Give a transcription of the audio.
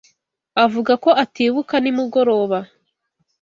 Avuga ko atibuka nimugoroba.